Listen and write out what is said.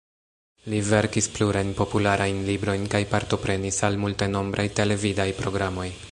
Li verkis plurajn popularajn librojn kaj partoprenis al multenombraj televidaj programoj.